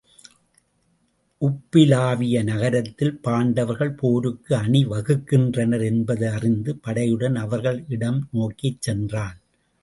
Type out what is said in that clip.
உபப்பிலாவிய நகரத்தில் பாண்டவர்கள் போருக்கு அணி வகுக்கின்றனர் என்பது அறிந்து படை யுடன் அவர்கள் இடம் நோக்கிச் சென்றான்.